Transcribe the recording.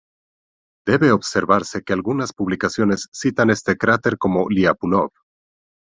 Debe observarse que algunas publicaciones citan este cráter como "Liapunov".